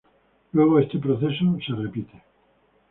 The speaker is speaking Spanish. Luego, este proceso es repetido.